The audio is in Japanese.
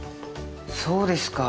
そうですか。